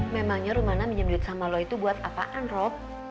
memangnya rumah ana minjem duit sama lo itu buat apaan rob